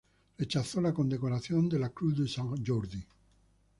Rechazó la condecoración de la Creu de Sant Jordi.